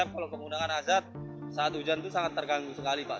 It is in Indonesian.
kalau penggunaan azat saat hujan itu sangat terganggu sekali pak